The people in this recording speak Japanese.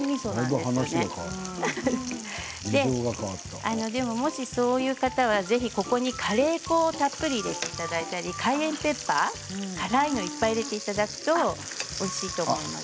でもそういう方は、ぜひここにカレー粉をたっぷり入れていただいたりカイエンヌペッパー辛いのを入れていただくとおいしいと思います。